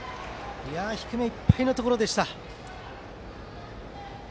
低めいっぱいのところでした。